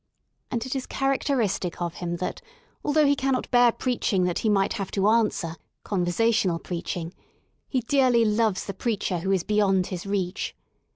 And it is characteristic of him that, although he cannot bear preaching that he might have to answer — conver sational preaching — he dearly loves the preacher who is beyond his reach.